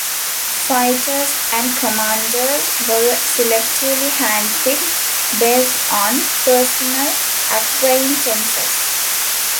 Fighters and commanders were selectively hand-picked, based on personal acquaintances.